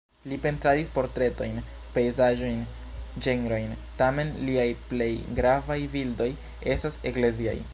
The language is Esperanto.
Li pentradis portretojn, pejzaĝojn, ĝenrojn, tamen liaj plej gravaj bildoj estas ekleziaj.